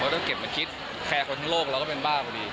ต้องเก็บมาคิดแคร์คนทั้งโลกเราก็เป็นบ้าพอดี